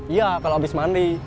iya kalau habis mandi